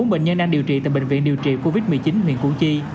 bốn bệnh nhân đang điều trị tại bệnh viện điều trị covid một mươi chín huyện củ chi